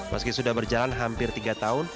meski sudah berjalan hampir tiga tahun